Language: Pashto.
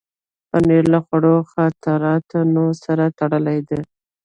پنېر له خوږو خاطرونو سره تړلی دی.